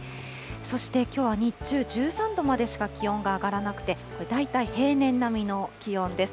そしてきょうは日中、１３度までしか気温が上がらなくて、大体平年並みの気温です。